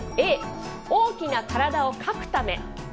Ａ、大きな体をかくため。